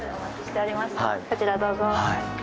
こちら、どうぞ。